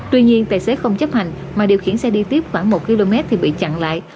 tuy nhiên tài xế không chấp hành mà điều khiển xe đi tiếp khoảng một km thì bị chặn lại